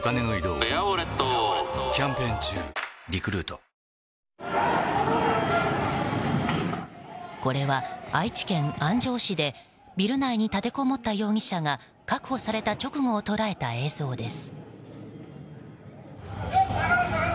午後の紅茶おいしい無糖これは愛知県安城市でビル内に立てこもった容疑者が確保された直後を捉えた映像です。